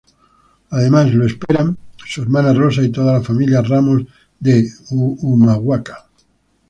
Además lo esperan su hermana Rosa y toda la familia Ramos de Humahuaca.